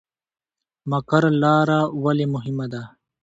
مقر لاره ولې مهمه ده؟